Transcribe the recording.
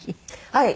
はい。